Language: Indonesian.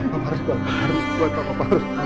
bapak harus berbahaya